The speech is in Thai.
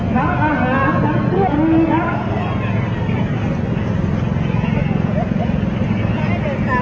ทางอาหารทางเตือนดีครับ